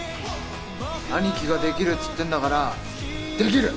兄貴ができるっつってんだからできる！